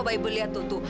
baik beli atutu